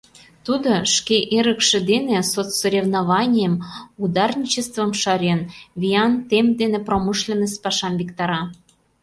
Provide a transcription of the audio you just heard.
Тудо, шке эрыкше дене соцсоревнованийым, ударничествым шарен, виян темп дене промышленность пашам виктара.